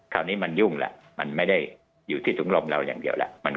คราวนี้มันยุ่งแล้วมันไม่ได้อยู่ที่ถุงลมเราอย่างเดียวแล้ว